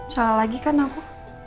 salah lagi kan aku